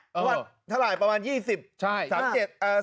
เมื่อวานทะลายประมาณ๒๐นัท